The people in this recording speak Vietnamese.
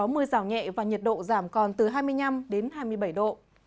mưa giảm nhẹ và nhiệt độ giảm còn từ hai mươi năm đến hai mươi bảy độ